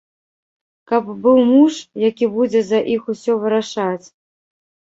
Каб быў муж, які будзе за іх усё вырашаць.